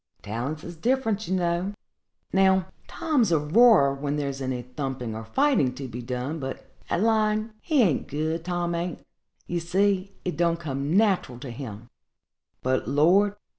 Talents is different, you know. Now, Tom's a roarer when there's any thumping or fighting to be done; but at lying he an't good, Tom an't; ye see it don't come natural to him; but, Lord!